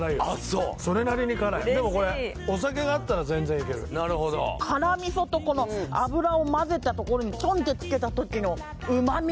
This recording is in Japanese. そうそれなりに辛いでもこれ嬉しいお酒があったら全然いけるなるほど辛味噌とこの油を混ぜたところにチョンってつけた時の旨み？